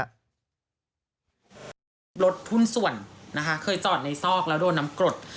รถหุ้นส่วนนะคะเคยจอดในซอกแล้วโดนน้ำกรด